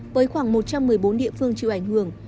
với khoảng một trăm một mươi bốn địa phương chịu ảnh hưởng